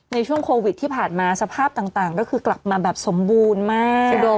ในช่วงโควิดที่ผ่านมาสภาพต่างก็คือกลับมาแบบสมบูรณ์มาก